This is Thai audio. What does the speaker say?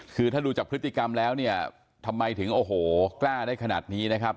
คือถ้าดูจากพฤติกรรมแล้วเนี่ยทำไมถึงโอ้โหกล้าได้ขนาดนี้นะครับ